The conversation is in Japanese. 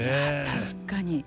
確かに。